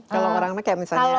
kalau orangnya kayak misalnya